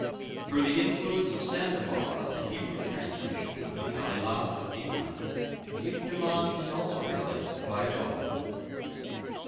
Through the influence of Sandabar on the Hebrew translation of the Kalilah and Dimnah, the ichneumon is also replaced by a dog.